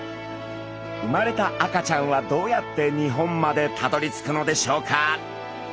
生まれた赤ちゃんはどうやって日本までたどりつくのでしょうか？